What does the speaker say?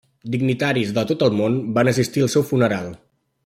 Dignitaris de tot el món van assistir al seu funeral.